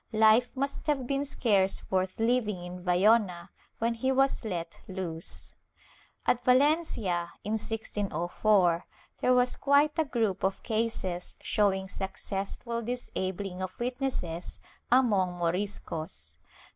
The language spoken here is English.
^ Life must have been scarce worth Uving in Vayona when he was let loose. At Valencia, in 1604, there was quite a group of cases showing successful disabling of witnesses among Moriscos.